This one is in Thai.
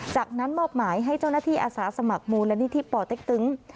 จากนั้นมอบหมายให้เจ้าหน้าที่อาสาสมัครมูลนิธิป่อเต็กตึง